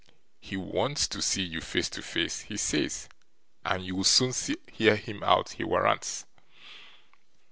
He wants to see you face to face, he says, and you'll soon hear him out, he warrants.